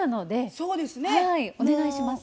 お願いします。